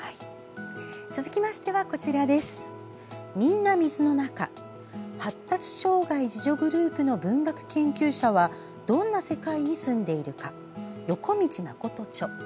続きましては「みんな水の中『発達障害』自助グループの文学研究者はどんな世界に棲んでいるか」横道誠著。